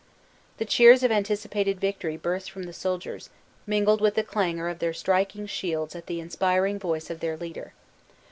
The cheers of anticipated victory burst from the soldiers, mingled with the clangor of their striking shields at the inspiring voice of their leader.